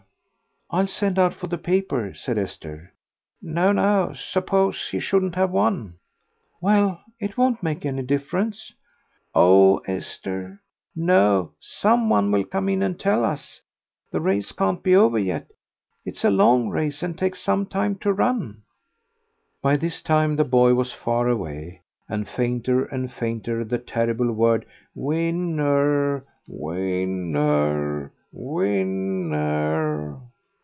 "I'll send out for the paper," said Esther. "No, no... Suppose he shouldn't have won?" "Well, it won't make any difference." "Oh, Esther, no; some one will come in and tell us. The race can't be over yet; it is a long race, and takes some time to run." By this time the boy was far away, and fainter and fainter the terrible word, "Win ner, win ner, win ner."